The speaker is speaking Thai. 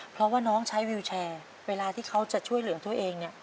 เพราะว่าน้องใช้วิวแชร์เวลาที่เขาจะช่วยเหลือตัวเองเนี่ย